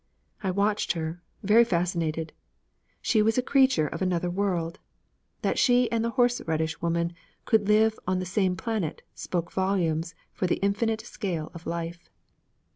I watched her, very fascinated. She was a creature of another world. That she and the horse radish woman could live on the same planet spoke volumes for the infinite scale of life.